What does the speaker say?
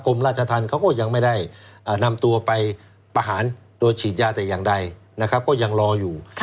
ราชธรรมเขาก็ยังไม่ได้นำตัวไปประหารโดยฉีดยาแต่อย่างใดนะครับก็ยังรออยู่